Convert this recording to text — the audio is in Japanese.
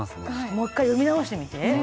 もう一回読み直してみて。